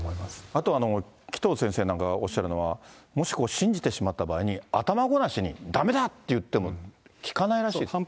あとは、紀藤先生なんかがおっしゃるのは、もし信じてしまった場合に、頭ごなしにだめだって言っても聞かないらしいですね。